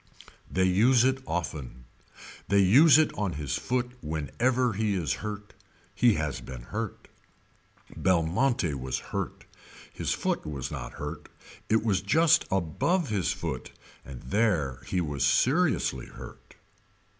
They use it often. They use it on his foot whenever he is hurt. He has been hurt. Belmonte was hurt. His foot was not hurt. It was just above his foot and there he was seriously hurt.